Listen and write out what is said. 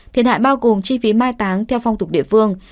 thiệt hại bao gồm chi phí mai táng theo phong tục địa phương